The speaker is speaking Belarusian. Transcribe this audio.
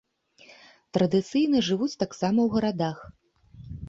Традыцыйна жывуць таксама ў гарадах.